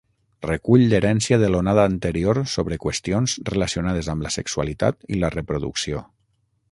Recull l'herència de l'onada anterior sobre qüestions relacionades amb la sexualitat i la reproducció.